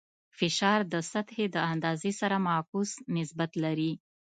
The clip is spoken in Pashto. فشار د سطحې د اندازې سره معکوس نسبت لري.